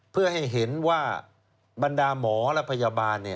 เพื่อให้เห็นว่าบรรดาหมอและพยาบาล